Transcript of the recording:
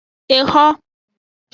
Exo.